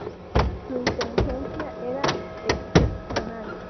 Su inteligencia era excepcional.